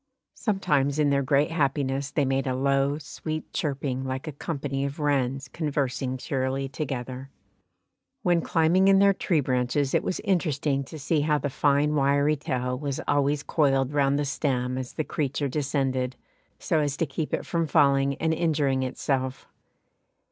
Sometimes in their great happiness they made a low, sweet chirping like a company of wrens conversing cheerily together. When climbing in their tree branches it was interesting to see how the fine wiry tail was always coiled round the stem as the creature descended, so as to keep it from falling and injuring itself.